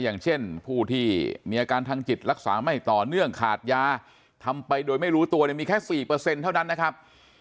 อย่างเช่นผู้ที่มีอาการทางจิตรักษาไม่ต่อเนื่องขาดยาทำไปโดยไม่รู้ตัวเนี่ยมีแค่๔เท่านั้นนะครับ